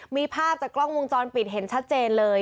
มีภาพจากกล้องวงจรปิดเห็นชัดเจนเลย